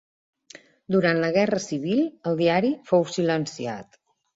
Durant la Guerra Civil, el diari fou silenciat.